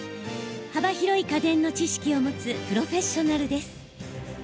幅広い家電の知識を持つプロフェッショナルです。